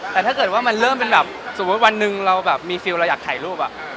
แต่ถ้าเกิดว่ามันเริ่มเป็นแบบสมมุติวันหนึ่งเราแบบมีฟิลเราอยากถ่ายรูป